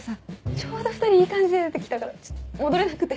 ちょうど２人いい感じで出てきたから戻れなくて。